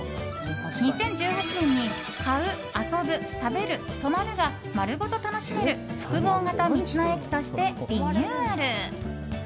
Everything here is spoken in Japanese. ２０１８年に、買う、遊ぶ食べる、泊まるが丸ごと楽しめる複合型道の駅としてリニューアル。